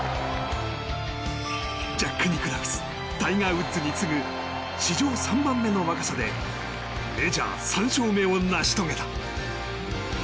ジャック・ニクラウスタイガー・ウッズに次ぐ史上３番目の若さでメジャー３勝目を成し遂げた。